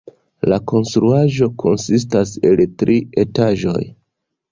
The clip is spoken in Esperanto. La konstruaĵo konsistas el tri etaĝoj.